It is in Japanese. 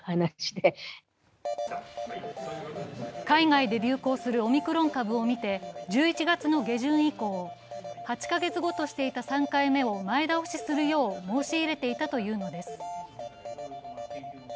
海外で流行するオミクロン株を見て、１１月の下旬以降、８カ月後としていた３回目を前倒しするよう申し入れていたというのです。